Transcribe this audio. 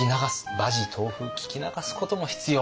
馬耳東風聞き流すことも必要。